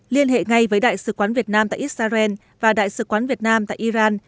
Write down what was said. liên hệ ngay với đại sứ quán việt nam tại israel và đại sứ quán việt nam tại iran